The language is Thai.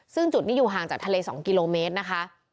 ซึ่งจุดนี้อยู่ห่างจากทะเล๒กิโลเมตรนะคะ